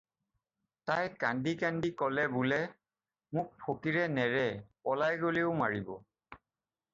"তাই কান্দি-কাটি ক'লে বোলে- "মোক ফকীৰে নেৰে, পলাই গ'লেও মাৰিব।"